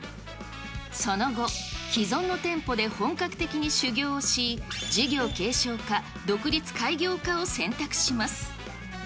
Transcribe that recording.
その後、既存の店舗で本格的に修業をし、事業継承か、独立開業かを選択します。